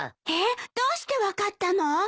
えっ？どうして分かったの？